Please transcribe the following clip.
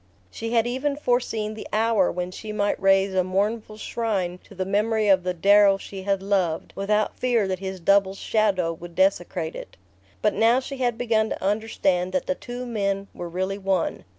She had even foreseen the hour when she might raise a mournful shrine to the memory of the Darrow she had loved, without fear that his double's shadow would desecrate it. But now she had begun to understand that the two men were really one.